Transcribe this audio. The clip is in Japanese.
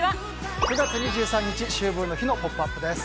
９月２３日、秋分の日の「ポップＵＰ！」です。